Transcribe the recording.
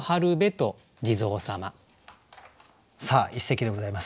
さあ一席でございます。